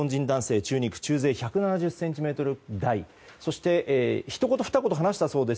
中肉中背で１７０ｃｍ台ひと言ふた言、話したそうです。